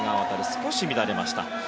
少し乱れました。